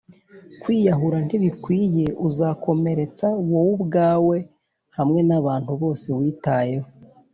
kwiyahura ntibikwiye. uzakomeretsa wowe ubwawe hamwe nabantu bose witayeho.